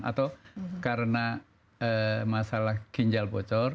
atau karena masalah ginjal bocor